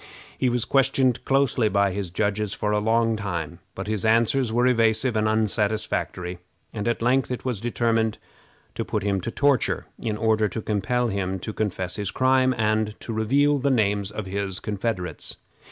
He was questioned closely by his judges for a long time, but his answers were evasive and unsatisfactory, and at length it was determined to put him to torture, in order to compel him to confess his crime, and to reveal the names of his confederates.